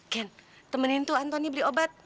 ken temenin tuh antoni beli obat